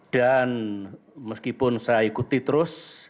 dan meskipun saya ikuti terus